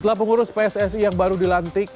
setelah pengurus pssi yang baru dilantik